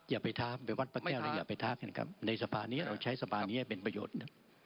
อย่าไปท้าไปวัดพระแก้วเลยอย่าไปท้ากันครับในสภานี้เราใช้สะพานนี้ให้เป็นประโยชน์